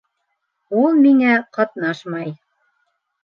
Ул миңә ҡатнашмай...